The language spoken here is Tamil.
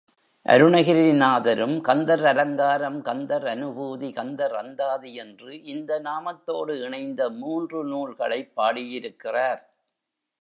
அருணகிரிநாதரும் கந்தர் அலங்காரம், கந்தர் அநுபூதி, கந்தர் அந்தாதி என்று இந்த நாமத்தோடு இணைந்த மூன்று நூல்களைப் பாடியிருக்கிறார்.